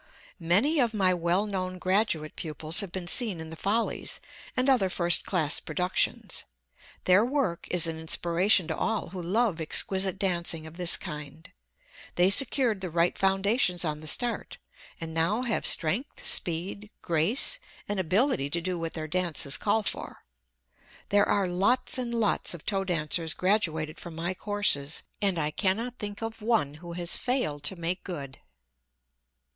Many of my well known graduate pupils have been seen in the Follies and other first class productions. Their work is an inspiration to all who love exquisite dancing of this kind. They secured the right foundations on the start, and now have strength, speed, grace, and ability to do what their dances call for. There are lots and lots of toe dancers graduated from my courses, and I cannot think of one who has failed to make good.